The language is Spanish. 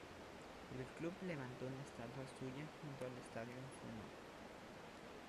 El club levantó una estatua suya junto al estadio en su honor.